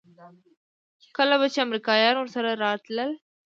کله به چې امريکايان ورسره راتلل.